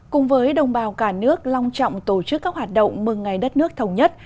cùng với đồng bào cả nước long trọng tổ chức các hoạt động mừng ngày đất nước thống nhất